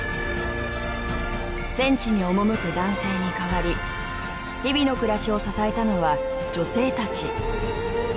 戦地に赴く男性に代わり日々の暮らしを支えたのは女性たち。